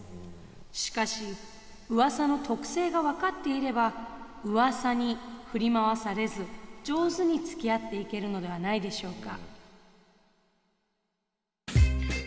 しかしうわさの特性が分かっていればうわさに振り回されず上手につきあっていけるのではないでしょうか？